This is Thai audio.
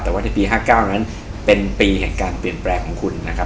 แต่ว่าในปี๕๙นั้นเป็นปีแห่งการเปลี่ยนแปลงของคุณนะครับ